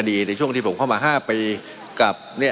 มันมีมาต่อเนื่องมีเหตุการณ์ที่ไม่เคยเกิดขึ้น